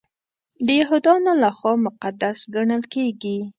د یهودانو لخوا مقدس ګڼل کیږي.